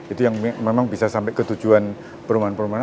itu yang memang bisa sampai ke tujuan perumahan perumahan